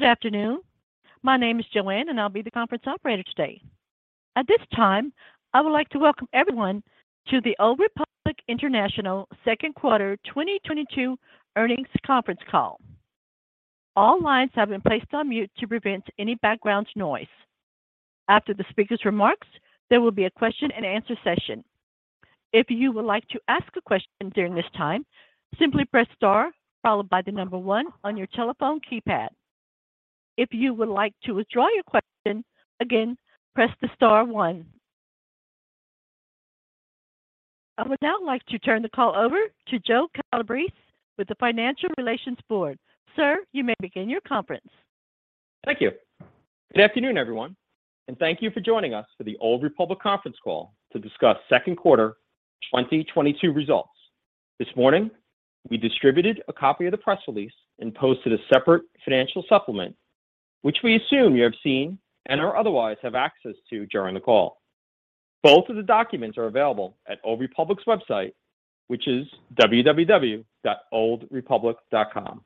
Good afternoon. My name is Joanne, and I'll be the conference operator today. At this time, I would like to welcome everyone to the Old Republic International second quarter 2022 earnings conference call. All lines have been placed on mute to prevent any background noise. After the speaker's remarks, there will be a question and answer session. If you would like to ask a question during this time, simply press star followed by the number one on your telephone keypad. If you would like to withdraw your question, again, press the star one. I would now like to turn the call over to Joe Calabrese with the Financial Relations Board. Sir, you may begin your conference. Thank you. Good afternoon, everyone, and thank you for joining us for the Old Republic conference call to discuss second quarter 2022 results. This morning, we distributed a copy of the press release and posted a separate financial supplement, which we assume you have seen or otherwise have access to during the call. Both of the documents are available at Old Republic's website, which is www.oldrepublic.com.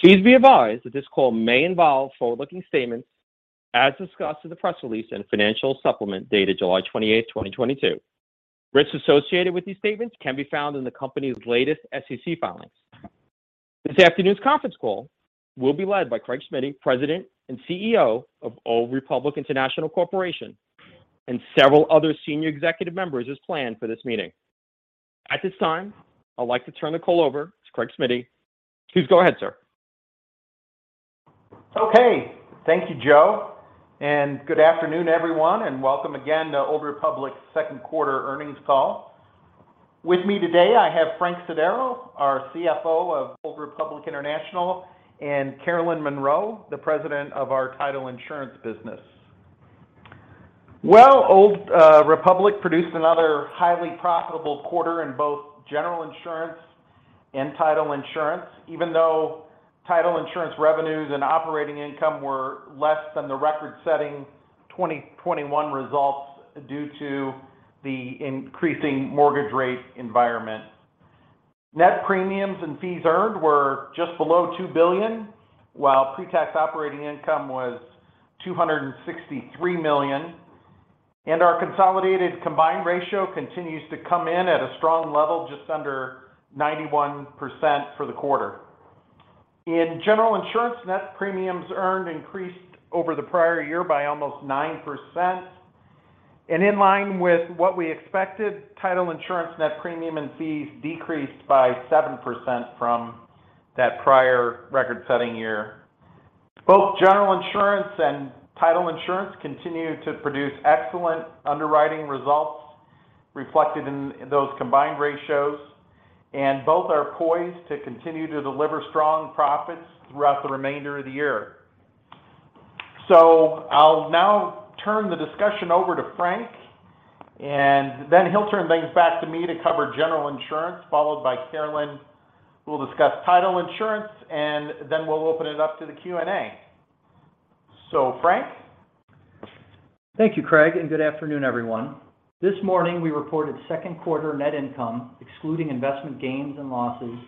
Please be advised that this call may involve forward-looking statements as discussed in the press release and financial supplement dated July 28, 2022. Risks associated with these statements can be found in the company's latest SEC filings. This afternoon's conference call will be led by Craig Smiddy, President and CEO of Old Republic International Corporation, and several other senior executive members as planned for this meeting. At this time, I'd like to turn the call over to Craig Smiddy. Please go ahead, sir. Okay. Thank you, Joe, and good afternoon, everyone, and welcome again to Old Republic's second quarter earnings call. With me today, I have Frank Sodaro, our CFO of Old Republic International, and Carolyn Monroe, the President of our Title Insurance business. Well, Old Republic produced another highly profitable quarter in both General Insurance and Title Insurance, even though Title Insurance revenues and operating income were less than the record-setting 2021 results due to the increasing mortgage rate environment. Net premiums and fees earned were just below $2 billion, while pre-tax operating income was $263 million. Our consolidated combined ratio continues to come in at a strong level just under 91% for the quarter. In General Insurance, net premiums earned increased over the prior year by almost 9%. In line with what we expected, Title Insurance net premium and fees decreased by 7% from that prior record-setting year. Both General Insurance and Title Insurance continue to produce excellent underwriting results reflected in those combined ratios, and both are poised to continue to deliver strong profits throughout the remainder of the year. I'll now turn the discussion over to Frank, and then he'll turn things back to me to cover General Insurance, followed by Carolyn, who will discuss Title Insurance, and then we'll open it up to the Q&A. Frank? Thank you, Craig, and good afternoon, everyone. This morning, we reported second quarter net income, excluding investment gains and losses,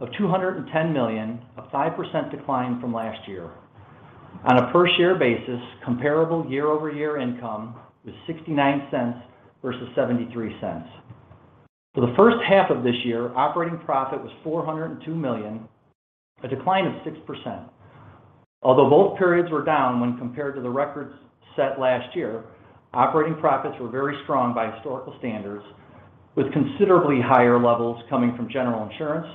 of $210 million, a 5% decline from last year. On a per-share basis, comparable year-over-year income was $0.69 versus $0.73. For the first half of this year, operating profit was $402 million, a decline of 6%. Although both periods were down when compared to the records set last year, operating profits were very strong by historical standards, with considerably higher levels coming from General Insurance,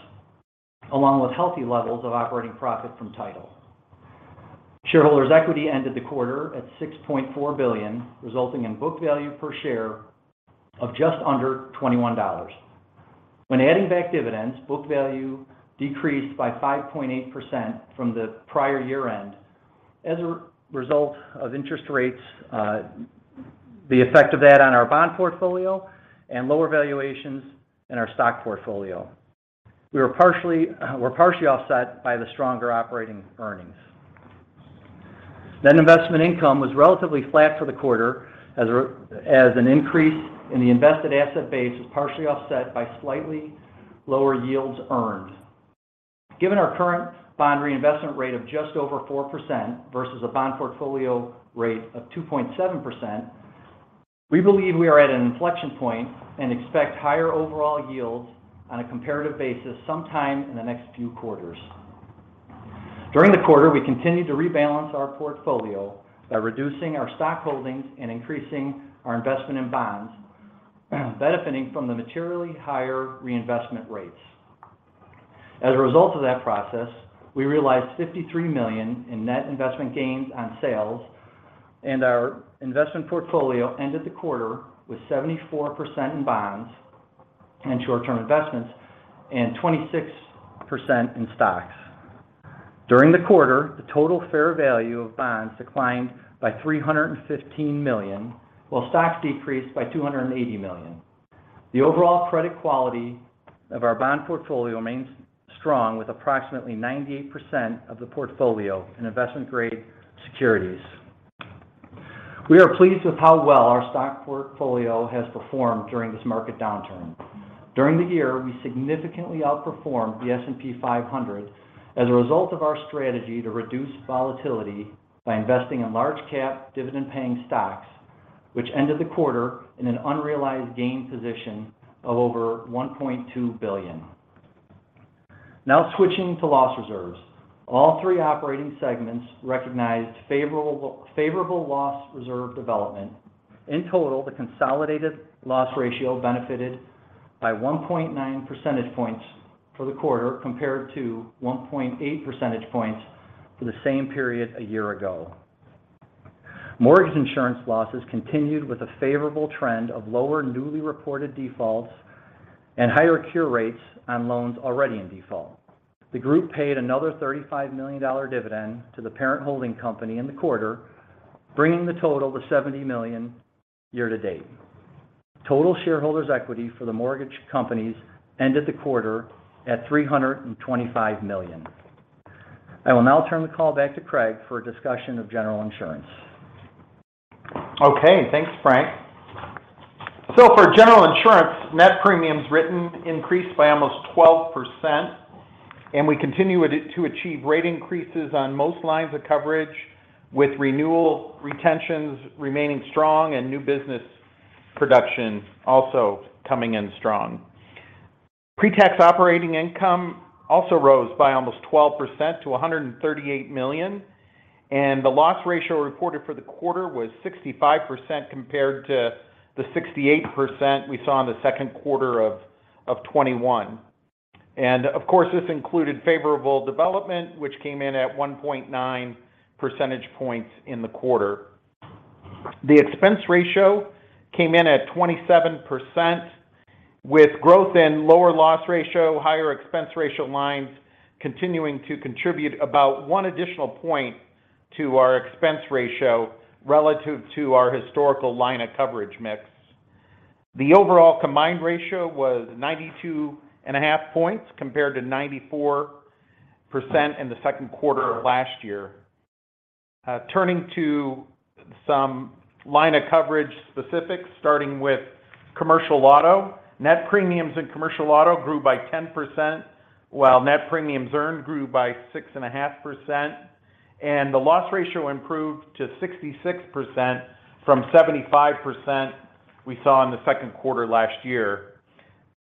along with healthy levels of operating profit from Title. Shareholders' equity ended the quarter at $6.4 billion, resulting in book value per share of just under $21. When adding back dividends, book value decreased by 5.8% from the prior year-end as a result of interest rates, the effect of that on our bond portfolio and lower valuations in our stock portfolio. We were partially offset by the stronger operating earnings. Investment income was relatively flat for the quarter as an increase in the invested asset base was partially offset by slightly lower yields earned. Given our current bond reinvestment rate of just over 4% versus a bond portfolio rate of 2.7%, we believe we are at an inflection point and expect higher overall yields on a comparative basis sometime in the next few quarters. During the quarter, we continued to rebalance our portfolio by reducing our stock holdings and increasing our investment in bonds, benefiting from the materially higher reinvestment rates. As a result of that process, we realized $53 million in net investment gains on sales, and our investment portfolio ended the quarter with 74% in bonds and short-term investments and 26% in stocks. During the quarter, the total fair value of bonds declined by $315 million, while stocks decreased by $280 million. The overall credit quality of our bond portfolio remains strong with approximately 98% of the portfolio in investment-grade securities. We are pleased with how well our stock portfolio has performed during this market downturn. During the year, we significantly outperformed the S&P 500 as a result of our strategy to reduce volatility by investing in large cap dividend paying stocks, which ended the quarter in an unrealized gain position of over $1.2 billion. Now switching to loss reserves. All three operating segments recognized favorable loss reserve development. In total, the consolidated loss ratio benefited by 1.9 percentage points for the quarter compared to 1.8 percentage points for the same period a year ago. Mortgage insurance losses continued with a favorable trend of lower newly reported defaults and higher cure rates on loans already in default. The group paid another $35 million dividend to the parent holding company in the quarter, bringing the total to $70 million year to date. Total shareholders equity for the mortgage companies ended the quarter at $325 million. I will now turn the call back to Craig for a discussion of General Insurance. Okay, thanks, Frank. For General Insurance, net premiums written increased by almost 12% and we continue to achieve rate increases on most lines of coverage with renewal retentions remaining strong and new business production also coming in strong. Pre-tax operating income also rose by almost 12% to $138 million, and the loss ratio reported for the quarter was 65% compared to the 68% we saw in the second quarter of 2021. Of course, this included favorable development, which came in at 1.9 percentage points in the quarter. The expense ratio came in at 27% with growth in lower loss ratio, higher expense ratio lines continuing to contribute about one additional point to our expense ratio relative to our historical line of coverage mix. The overall combined ratio was 92.5 points compared to 94% in the second quarter of last year. Turning to some line of coverage specifics, starting with commercial auto. Net premiums in commercial auto grew by 10%, while net premiums earned grew by 6.5%. The loss ratio improved to 66% from 75% we saw in the second quarter last year.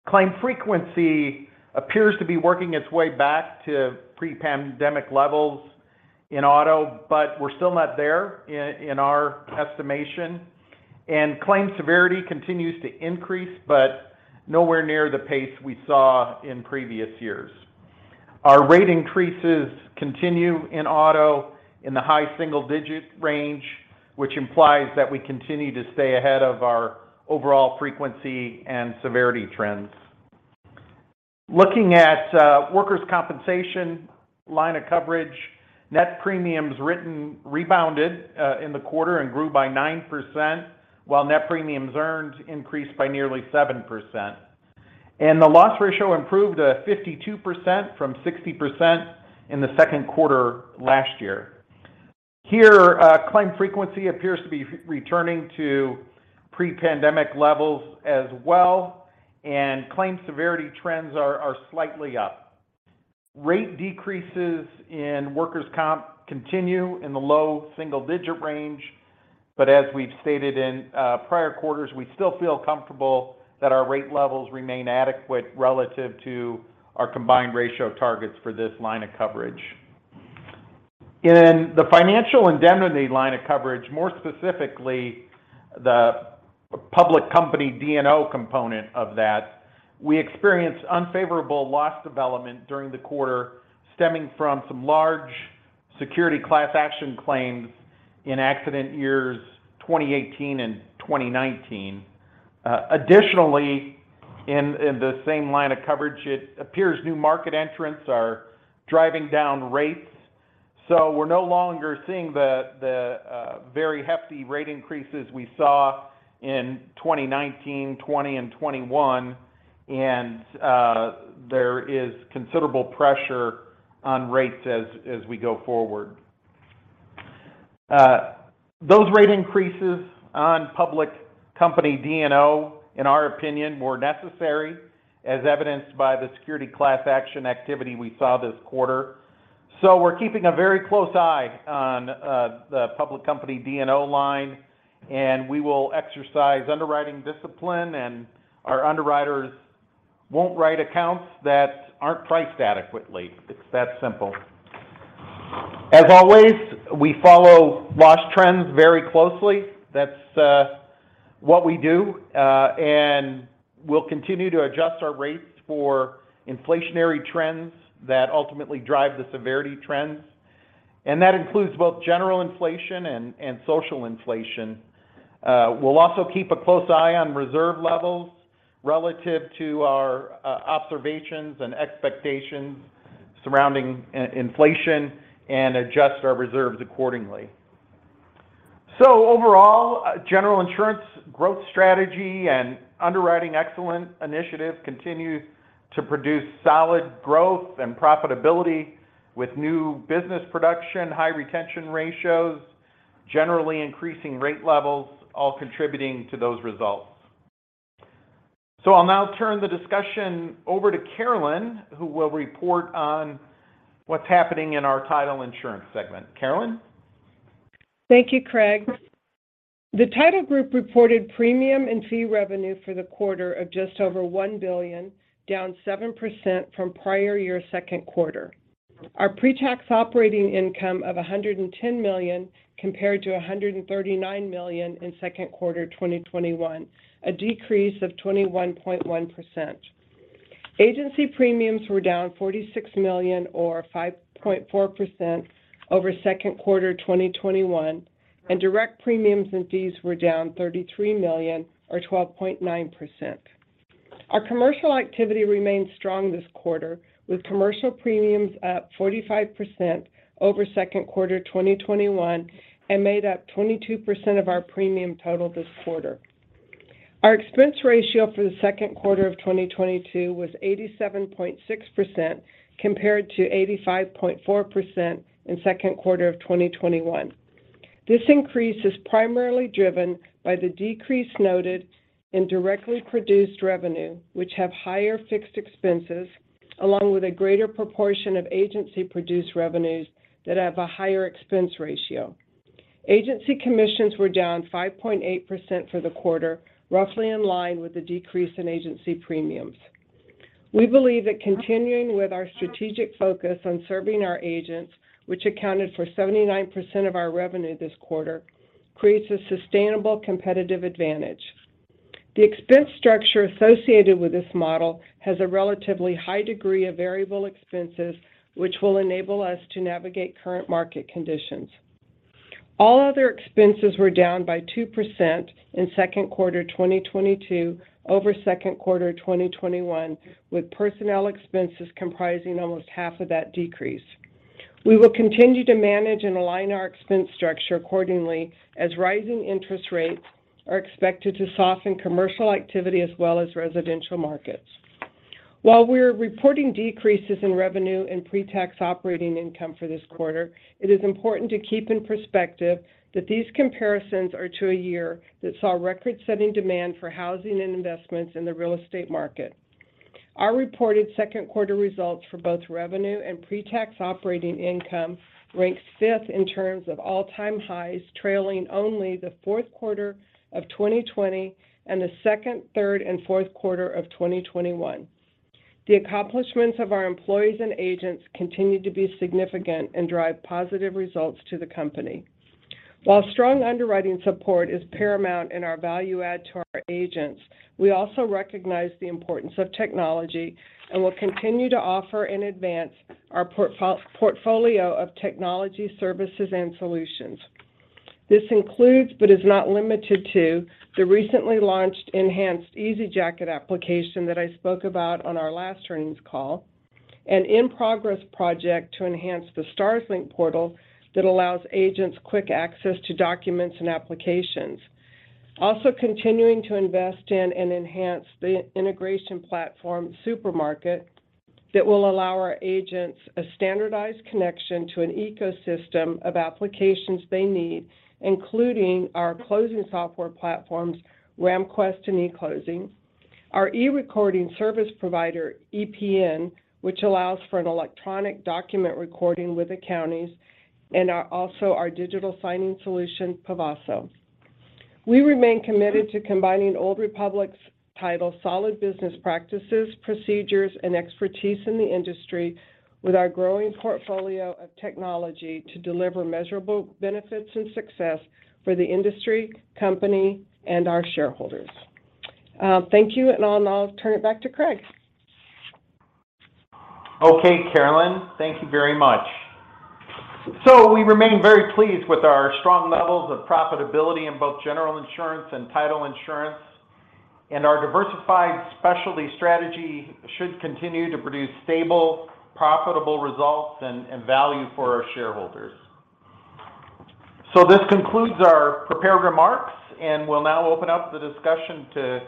Claim frequency appears to be working its way back to pre-pandemic levels in auto, but we're still not there in our estimation. Claim severity continues to increase, but nowhere near the pace we saw in previous years. Our rate increases continue in auto in the high single digit range, which implies that we continue to stay ahead of our overall frequency and severity trends. Looking at workers' compensation line of coverage, net premiums written rebounded in the quarter and grew by 9%, while net premiums earned increased by nearly 7%. The loss ratio improved to 52% from 60% in the second quarter last year. Here, claim frequency appears to be returning to pre-pandemic levels as well, and claim severity trends are slightly up. Rate decreases in workers' comp continue in the low single digit range, but as we've stated in prior quarters, we still feel comfortable that our rate levels remain adequate relative to our combined ratio targets for this line of coverage. In the financial indemnity line of coverage, more specifically the public company D&O component of that, we experienced unfavorable loss development during the quarter stemming from some large securities class action claims in accident years 2018 and 2019. Additionally, in the same line of coverage, it appears new market entrants are driving down rates. We're no longer seeing the very hefty rate increases we saw in 2019, 2020, and 2021. There is considerable pressure on rates as we go forward. Those rate increases on public company D&O, in our opinion, were necessary as evidenced by the securities class action activity we saw this quarter. We're keeping a very close eye on the public company D&O line, and we will exercise underwriting discipline, and our underwriters won't write accounts that aren't priced adequately. It's that simple. As always, we follow loss trends very closely. That's what we do. We'll continue to adjust our rates for inflationary trends that ultimately drive the severity trends. That includes both general inflation and social inflation. We'll also keep a close eye on reserve levels relative to our observations and expectations surrounding inflation and adjust our reserves accordingly. Overall, General Insurance growth strategy and underwriting excellent initiative continues to produce solid growth and profitability. With new business production, high retention ratios, generally increasing rate levels, all contributing to those results. I'll now turn the discussion over to Carolyn, who will report on what's happening in our Title Insurance segment. Carolyn? Thank you, Craig. The Title group reported premium and fee revenue for the quarter of just over $1 billion, down 7% from prior year second quarter. Our pre-tax operating income of $110 million compared to $139 million in second quarter 2021, a decrease of 21.1%. Agency premiums were down $46 million or 5.4% over second quarter 2021, and direct premiums and fees were down $33 million or 12.9%. Our commercial activity remained strong this quarter, with commercial premiums up 45% over second quarter 2021 and made up 22% of our premium total this quarter. Our expense ratio for the second quarter of 2022 was 87.6% compared to 85.4% in second quarter of 2021. This increase is primarily driven by the decrease noted in directly produced revenue, which have higher fixed expenses along with a greater proportion of agency produced revenues that have a higher expense ratio. Agency commissions were down 5.8% for the quarter, roughly in line with the decrease in agency premiums. We believe that continuing with our strategic focus on serving our agents, which accounted for 79% of our revenue this quarter, creates a sustainable competitive advantage. The expense structure associated with this model has a relatively high degree of variable expenses, which will enable us to navigate current market conditions. All other expenses were down by 2% in second quarter 2022 over second quarter 2021, with personnel expenses comprising almost half of that decrease. We will continue to manage and align our expense structure accordingly as rising interest rates are expected to soften commercial activity as well as residential markets. While we're reporting decreases in revenue and pre-tax operating income for this quarter, it is important to keep in perspective that these comparisons are to a year that saw record-setting demand for housing and investments in the real estate market. Our reported second quarter results for both revenue and pre-tax operating income ranked fifth in terms of all-time highs, trailing only the fourth quarter of 2020 and the second, third, and fourth quarter of 2021. The accomplishments of our employees and agents continue to be significant and drive positive results to the company. While strong underwriting support is paramount in our value add to our agents, we also recognize the importance of technology and will continue to offer and advance our portfolio of technology services and solutions. This includes, but is not limited to the recently launched enhanced ezJacket application that I spoke about on our last earnings call, an in-progress project to enhance the StarsLink portal that allows agents quick access to documents and applications. Also continuing to invest in and enhance the integration platform SuperMarket that will allow our agents a standardized connection to an ecosystem of applications they need, including our closing software platforms, RamQuest and E-Closing, our eRecording service provider, EPN, which allows for an electronic document recording with the counties, and also our digital signing solution, Pavaso. We remain committed to combining Old Republic Title's solid business practices, procedures, and expertise in the industry with our growing portfolio of technology to deliver measurable benefits and success for the industry, company, and our shareholders. Thank you, and I'll now turn it back to Craig. Okay, Carolyn, thank you very much. We remain very pleased with our strong levels of profitability in both General Insurance and Title Insurance, and our diversified specialty strategy should continue to produce stable, profitable results and value for our shareholders. This concludes our prepared remarks, and we'll now open up the discussion to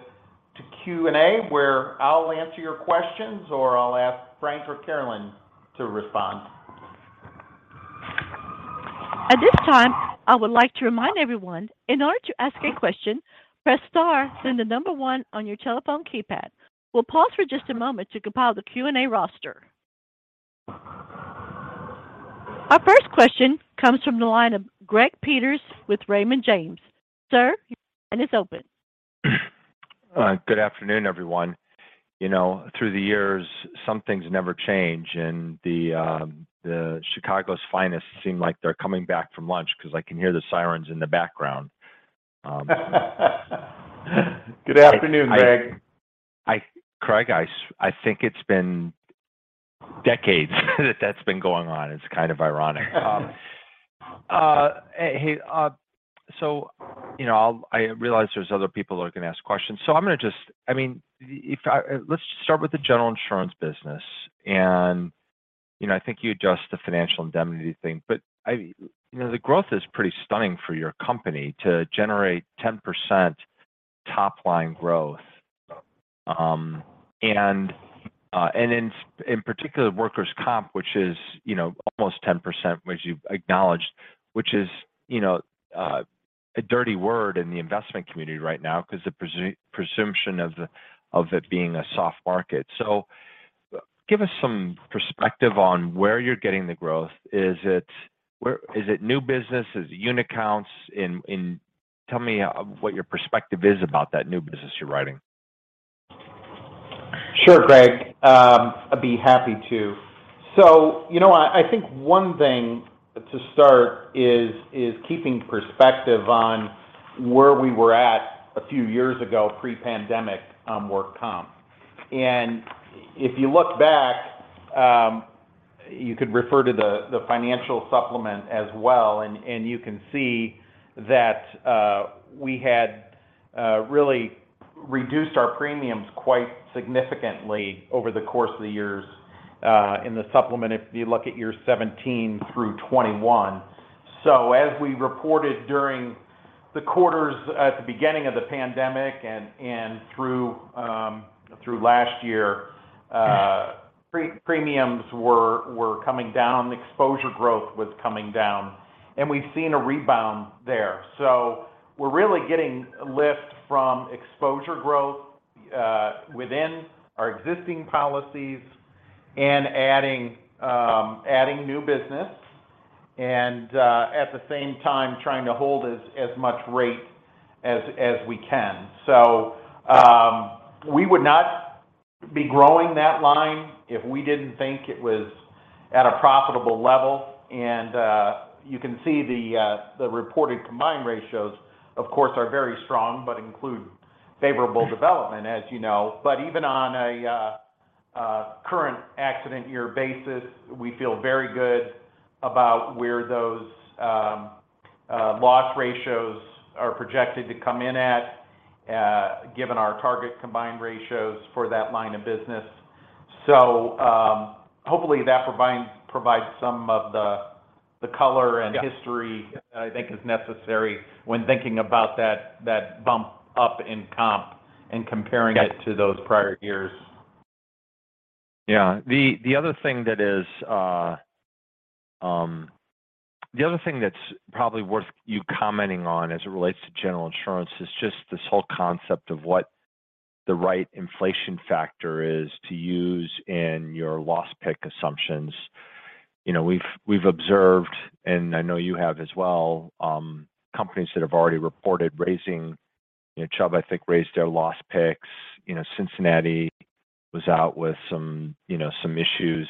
Q&A, where I'll answer your questions, or I'll ask Frank or Carolyn to respond. At this time, I would like to remind everyone, in order to ask a question, press star, then the number one on your telephone keypad. We'll pause for just a moment to compile the Q&A roster. Our first question comes from the line of Greg Peters with Raymond James. Sir, your line is open. Good afternoon, everyone. You know, through the years, some things never change, and the Chicago's finest seem like they're coming back from lunch because I can hear the sirens in the background. Good afternoon, Greg. Craig, I think it's been decades that that's been going on. It's kind of ironic. Hey, so, you know, I realize there's other people that are gonna ask questions, so I'm gonna just I mean, let's just start with the General Insurance business and, you know, I think you addressed the financial indemnity thing, but I, you know, the growth is pretty stunning for your company to generate 10% top-line growth. In particular workers' comp, which is, you know, almost 10% as you've acknowledged, which is, you know, a dirty word in the investment community right now because the presumption of it being a soft market. Give us some perspective on where you're getting the growth. Is it new business? Is it unit counts in. Tell me, what your perspective is about that new business you're writing? Sure, Greg. I'd be happy to. You know what? I think one thing to start is keeping perspective on where we were at a few years ago pre-pandemic, work comp. If you look back, you could refer to the financial supplement as well, and you can see that, we had really reduced our premiums quite significantly over the course of the years, in the supplement if you look at years 2017 through 2021. As we reported during the quarters at the beginning of the pandemic and through last year, premiums were coming down, exposure growth was coming down, and we've seen a rebound there. We're really getting a lift from exposure growth within our existing policies and adding new business and at the same time trying to hold as much rate as we can. We would not be growing that line if we didn't think it was at a profitable level. You can see the reported combined ratios of course are very strong, but include favorable development as you know. Even on a current accident year basis, we feel very good about where those loss ratios are projected to come in at given our target combined ratios for that line of business. Hopefully that provides some of the color and history. Yeah. I think is necessary when thinking about that bump up in comp and comparing it. Got it. To those prior years. Yeah. The other thing that's probably worth you commenting on as it relates to General Insurance is just this whole concept of what the right inflation factor is to use in your loss pick assumptions. You know, we've observed, and I know you have as well, companies that have already reported raising. You know, Chubb I think raised their loss picks. You know, Cincinnati was out with some, you know, some issues.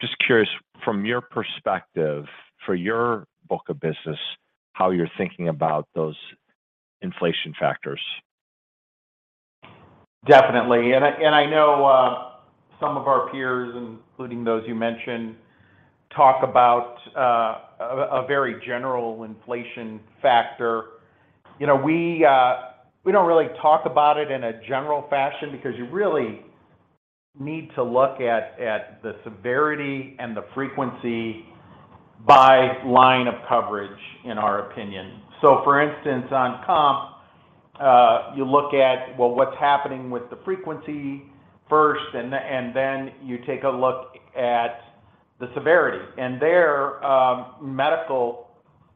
Just curious from your perspective for your book of business, how you're thinking about those inflation factors? Definitely. I know some of our peers, including those you mentioned, talk about a very general inflation factor. You know, we don't really talk about it in a general fashion because you really need to look at the severity and the frequency by line of coverage in our opinion. For instance, on comp, you look at, well, what's happening with the frequency first and then you take a look at the severity. There, medical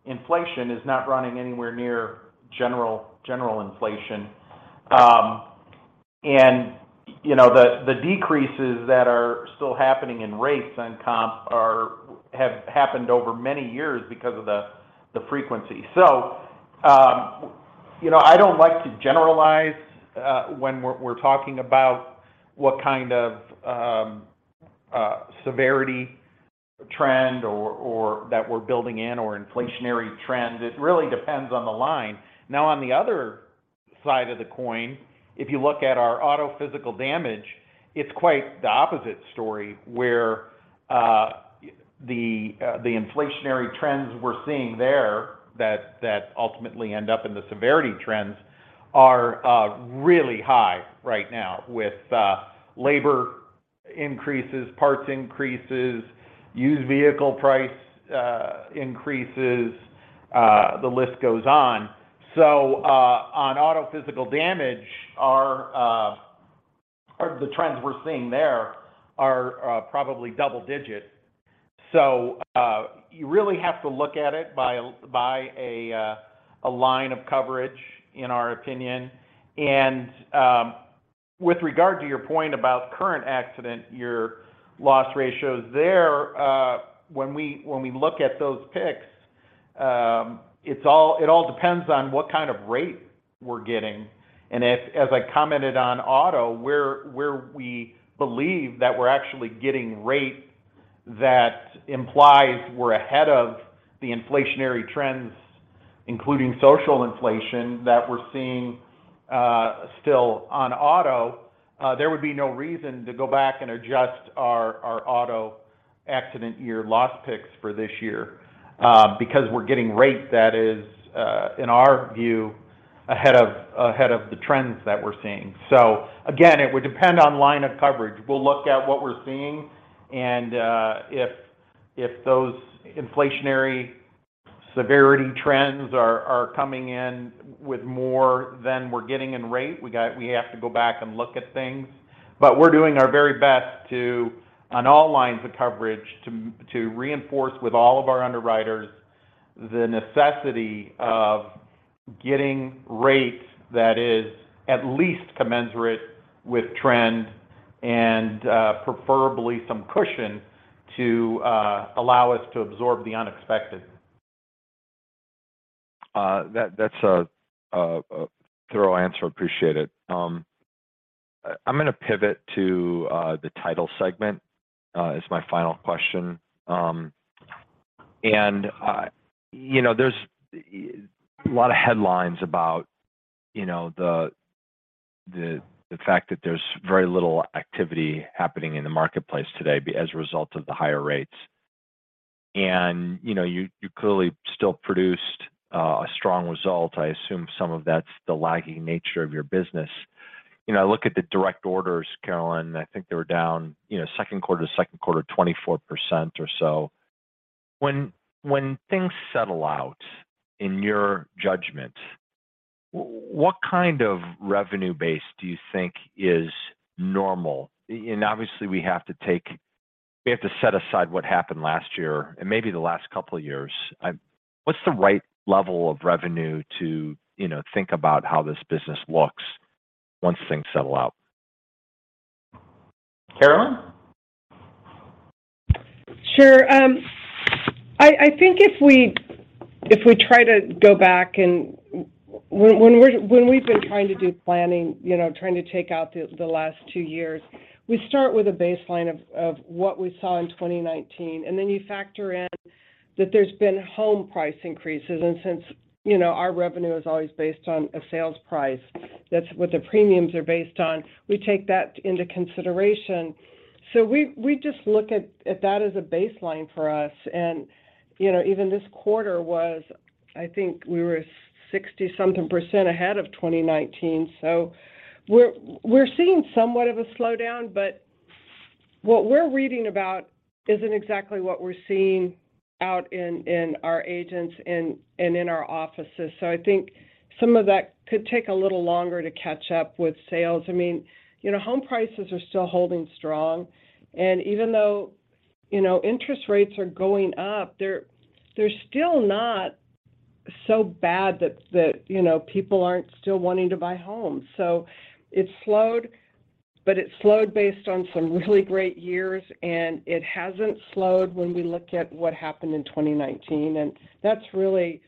inflation is not running anywhere near general inflation. You know, the decreases that are still happening in rates on comp have happened over many years because of the frequency. You know, I don't like to generalize when we're talking about what kind of severity trend or that we're building in or inflationary trend. It really depends on the line. Now, on the other side of the coin, if you look at our auto physical damage, it's quite the opposite story, where the inflationary trends we're seeing there that ultimately end up in the severity trends are really high right now with labor increases, parts increases, used vehicle price increases, the list goes on. You really have to look at it by a line of coverage in our opinion. With regard to your point about current accident year loss ratios there, when we look at those picks, it all depends on what kind of rate we're getting. If, as I commented on auto, where we believe that we're actually getting rate that implies we're ahead of the inflationary trends, including social inflation that we're seeing, still on auto, there would be no reason to go back and adjust our auto accident year loss picks for this year, because we're getting rate that is, in our view, ahead of the trends that we're seeing. Again, it would depend on line of coverage. We'll look at what we're seeing and if those inflationary severity trends are coming in with more than we're getting in rate. We have to go back and look at things. We're doing our very best, on all lines of coverage, to reinforce with all of our underwriters the necessity of getting rates that is at least commensurate with trend and, preferably, some cushion to allow us to absorb the unexpected. That's a thorough answer. Appreciate it. I'm gonna pivot to the title segment as my final question. You know, there's a lot of headlines about, you know, the fact that there's very little activity happening in the marketplace today as a result of the higher rates. You know, you clearly still produced a strong result. I assume some of that's the lagging nature of your business. You know, I look at the direct orders, Carolyn, I think they were down, you know, second quarter to second quarter, 24% or so. When things settle out, in your judgment, what kind of revenue base do you think is normal? Obviously, we have to set aside what happened last year and maybe the last couple of years. What's the right level of revenue to, you know, think about how this business looks once things settle out? Carolyn? Sure. I think if we try to go back and when we've been trying to do planning, you know, trying to take out the last two years, we start with a baseline of what we saw in 2019, and then you factor in that there's been home price increases. Since, you know, our revenue is always based on a sales price, that's what the premiums are based on, we take that into consideration. We just look at that as a baseline for us. You know, even this quarter was, I think we were 60-something percent ahead of 2019. We're seeing somewhat of a slowdown, but what we're reading about isn't exactly what we're seeing out in our agents and in our offices. I think some of that could take a little longer to catch up with sales. I mean, you know, home prices are still holding strong, and even though, you know, interest rates are going up, they're still not so bad that, you know, people aren't still wanting to buy homes. It's slowed, but it slowed based on some really great years, and it hasn't slowed when we look at what happened in 2019. That's really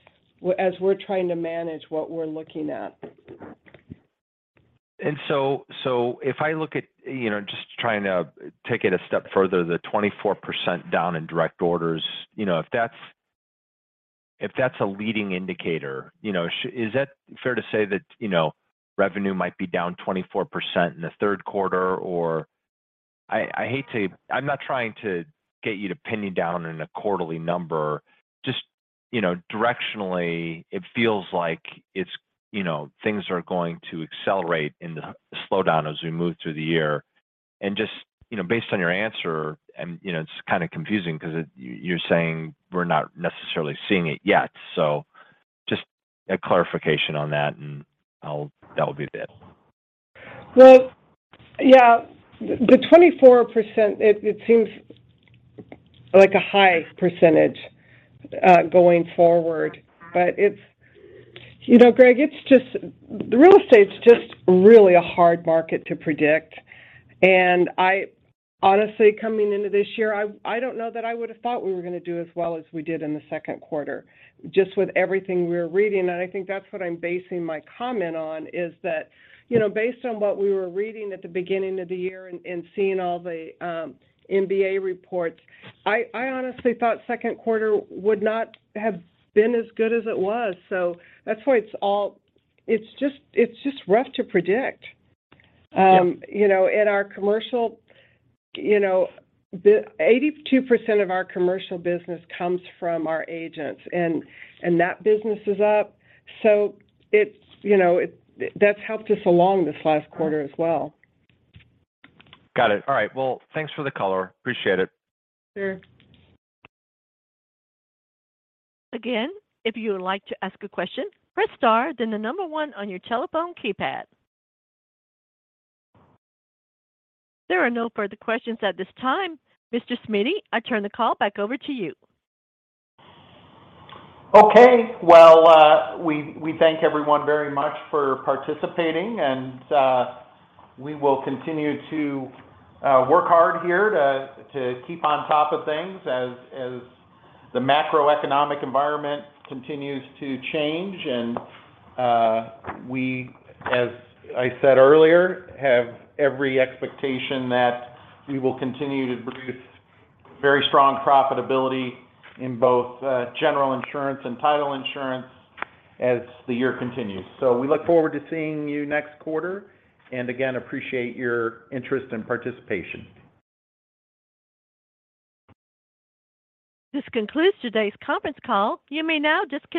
as we're trying to manage what we're looking at. So if I look at, you know, just trying to take it a step further, the 24% down in direct orders. You know, if that's a leading indicator, you know, is that fair to say that, you know, revenue might be down 24% in the third quarter? Or, I hate to, I'm not trying to get you to pin me down on a quarterly number. Just, you know, directionally, it feels like it's, you know, things are going to accelerate in the slowdown as we move through the year. Just, you know, based on your answer and, you know, it's kind of confusing 'cause it, you're saying we're not necessarily seeing it yet. Just a clarification on that, and that would be it. Well, yeah, the 24%, it seems like a high percentage going forward. You know, Greg, it's just real estate's just really a hard market to predict. I honestly, coming into this year, I don't know that I would have thought we were gonna do as well as we did in the second quarter, just with everything we're reading. I think that's what I'm basing my comment on, is that, you know, based on what we were reading at the beginning of the year and seeing all the MBA reports, I honestly thought second quarter would not have been as good as it was. That's why it's all. It's just rough to predict. Yeah. You know, our commercial, you know, the 82% of our commercial business comes from our agents, and that business is up. It's, you know, that's helped us along this last quarter as well. Got it. All right. Well, thanks for the color. Appreciate it. Sure. Again, if you would like to ask a question, press star then one on your telephone keypad. There are no further questions at this time. Mr. Smiddy, I turn the call back over to you. Okay. Well, we thank everyone very much for participating, and we will continue to work hard here to keep on top of things as the macroeconomic environment continues to change. We, as I said earlier, have every expectation that we will continue to produce very strong profitability in both General Insurance and Title Insurance as the year continues. We look forward to seeing you next quarter, and again, appreciate your interest and participation. This concludes today's conference call. You may now disconnect.